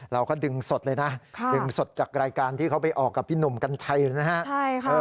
เราก็ดึงสดเลยนะดึงสดจากรายการที่เขาไปออกกับพี่หนุ่มกัญชัยนะฮะ